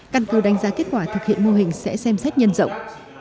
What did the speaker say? căn cứ đánh giá kết quả thực hiện mô hình sẽ xem xét nhân rộng